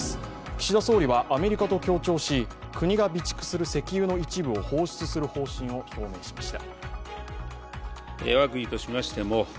岸田総理はアメリカと協調し、国が備蓄する石油の一部を放出する方針を表明しました。